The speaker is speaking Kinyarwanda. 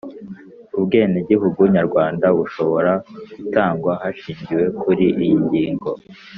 Ubwenegihugu nyarwanda bushobo ra gutangwa hashingiwe kuri iyi ngingo